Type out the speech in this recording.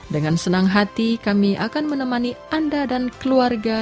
dengan senang hati kami akan menemani anda dan keluarga